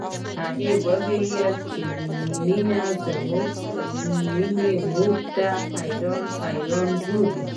هغې وويل چې مينه موږ ته حيرانه حيرانه ګوري